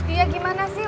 iya gimana sih